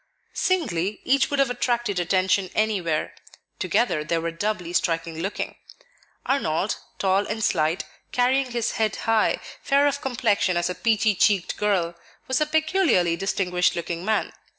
Singly, each would have attracted attention anywhere; together they were doubly striking looking. Arnold, tall and slight, carrying his head high, fair of complexion as a peachy cheeked girl, was a peculiarly distinguished looking man.